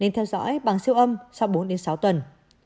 nên theo dõi bằng siêu âm sau bốn sáu tuần